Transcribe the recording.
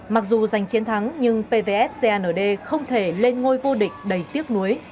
mặc dù giành chiến thắng nhưng pvf cand không thể lên ngôi vô địch đầy tiếc nuối